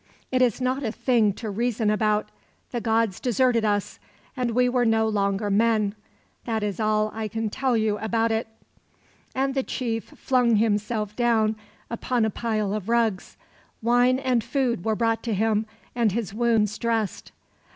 It is not a thing to reason about the gods deserted us, and we were no longer men. That is all I can tell you about it." And the chief flung himself down upon a pile of rugs. Wine and food were brought to him, and his wounds dressed.